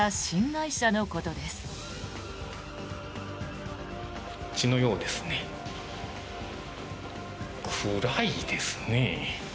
暗いですね。